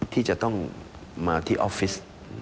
ที่จะต้องมาที่ออฟฟิศ